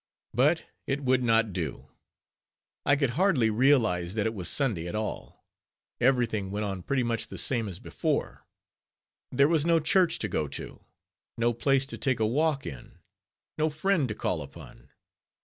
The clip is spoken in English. But it would not do. I could hardly realize that it was Sunday at all. Every thing went on pretty much the same as before. There was no church to go to; no place to take a walk in; no friend to call upon.